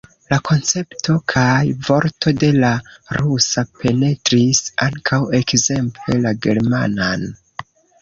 La koncepto kaj vorto de la rusa penetris ankaŭ ekzemple la germanan.